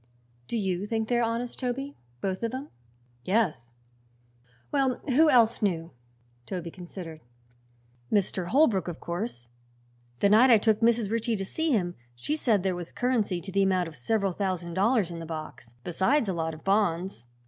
"Do you think they are honest, Toby both of 'em?" "Yes." "Well, who else knew?" Toby considered. "Mr. Holbrook, of course. The night I took Mrs. Ritchie to see him she said there was currency to the amount of several thousand dollars in the box, besides a lot of bonds."